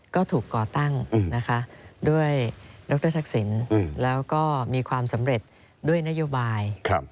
ก็ถูกก่อตั้งนะคะด้วยดรทักษิณแล้วก็มีความสำเร็จด้วยนโยบาย